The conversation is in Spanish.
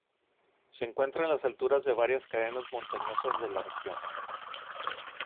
Se encuentra en las alturas de varias cadenas montañosas de la región.